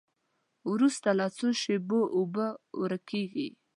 وروسته له څو شېبو اوبه ورکیږي.